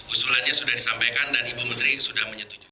usulannya sudah disampaikan dan ibu menteri sudah menyetujui